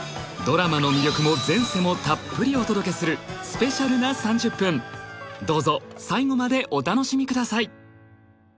ドラマの魅力も前世もたっぷりお届けするスペシャルな３０分どうぞ最後までお楽しみください